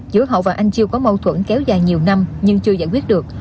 giữa hậu và anh chiêu có mâu thuẫn kéo dài nhiều năm nhưng chưa giải quyết được